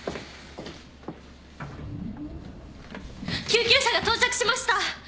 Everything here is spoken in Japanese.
・救急車が到着しました！